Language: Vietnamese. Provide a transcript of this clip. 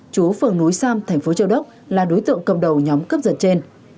chú phường núi sam thành phố châu đốc là đối tượng cầm đầu nhóm cấp dật trên